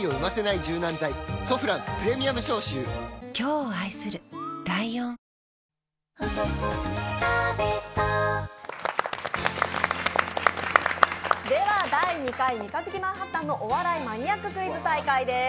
「ソフランプレミアム消臭」では、第２回三日月マンハッタンのお笑いマニアッククイズ大会です。